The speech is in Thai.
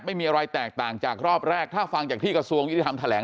ไม่มีอะไรแตกต่างจากรอบแรกถ้าฟังจากที่กระทรวงยุติธรรมแถลง